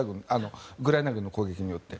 ウクライナ軍の攻撃によって。